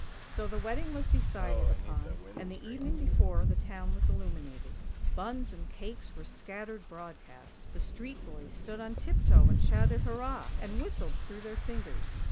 So the wedding was decided upon, and the evening before the town was illuminated. Buns and cakes were scattered broad cast; the street boys stood on tiptoe and shouted hurrah, and whistled through their fingers.